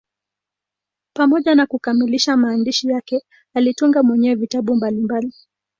Pamoja na kukamilisha maandishi yake, alitunga mwenyewe vitabu mbalimbali.